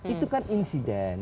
itu kan insiden